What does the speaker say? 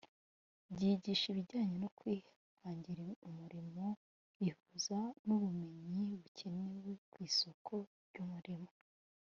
byigisha ibijyanye no kwihangira umurimo bihuza n’ubumenyi bukenewe ku isoko ry’umurimo